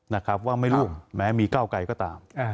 นะครับว่าไม่ร่วมแม้มีเก้าไกลก็ตาม